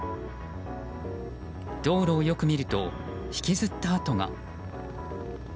道路をよく見ると引きずった跡が。